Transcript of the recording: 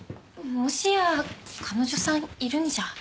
もしや彼女さんいるんじゃ。